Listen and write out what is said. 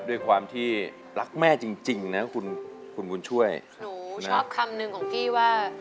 ด้วยความที่รักแม่จริงจริงนะคุณคุณบุญช่วยหนูชอบคำหนึ่งของกี้ว่า